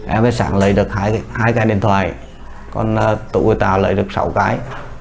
em và sản lấy được hai cái điện thoại còn tụ và tàu lấy được sáu cái